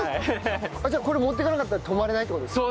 じゃあこれ持っていかなかったら止まれないって事ですか？